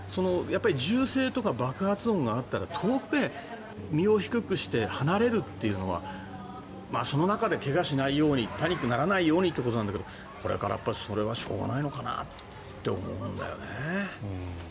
銃声とか爆発音があったら遠くへ、身を低くして離れるというのはその中で怪我しないようにパニックにならないようにということなんだけどこれからそれはしょうがないのかなって思うんだよね。